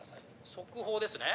速報ですね。